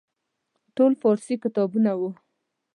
ټول فارسي کتابونه وو.